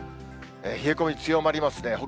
冷え込み強まりますね。